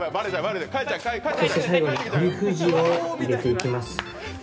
そして最後にトリュフ塩を入れていきます。